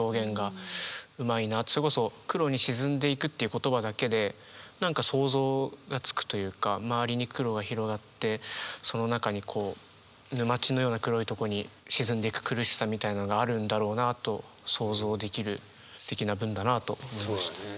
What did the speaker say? それこそ「黒に沈んでいく」っていう言葉だけで何か想像がつくというか周りに黒が広がってその中にこう沼地のような黒いとこに沈んでいく苦しさみたいなのがあるんだろうなと想像できるステキな文だなと思いました。